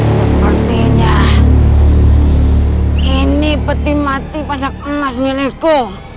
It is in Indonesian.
sepertinya ini peti mati pasak emasnya leko